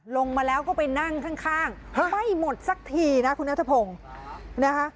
ลงมาแล้วก็ไปนั่งข้างข้างไม่หมดสักทีนะคุณนัทพงศ์นะคะ